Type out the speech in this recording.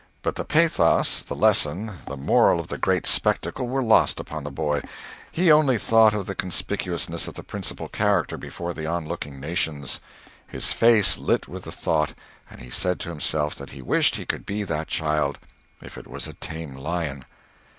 But the pathos, the lesson, the moral of the great spectacle were lost upon the boy; he only thought of the conspicuousness of the principal character before the on looking nations; his face lit with the thought, and he said to himself that he wished he could be that child, if it was a tame lion.